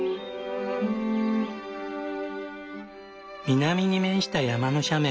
南に面した山の斜面。